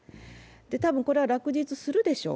多分これは落日するでしょう。